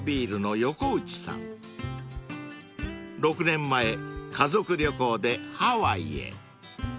［６年前家族旅行でハワイへ］